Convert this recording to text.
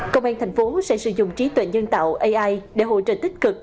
công an tp hcm sẽ sử dụng trí tuệ nhân tạo ai để hỗ trợ tích cực